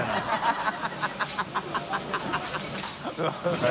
ハハハ